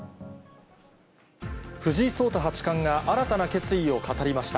藤井聡太八冠が新たな決意を語りました。